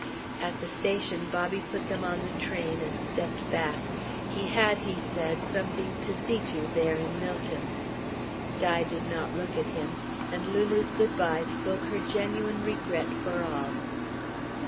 At the station, Bobby put them on the train and stepped back. He had, he said, something to see to there in Millton. Di did not look at him. And Lulu's good bye spoke her genuine regret for all.